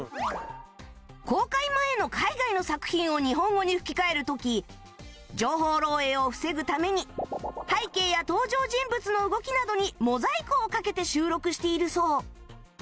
公開前の海外の作品を日本語に吹き替える時情報漏洩を防ぐために背景や登場人物の動きなどにモザイクをかけて収録しているそう